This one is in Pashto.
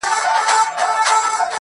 ژوند مي هيڅ نه دى ژوند څه كـړم_